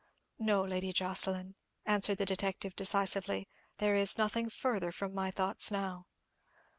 "No, Lady Jocelyn," answered the detective, decisively, "there is nothing further from my thoughts now."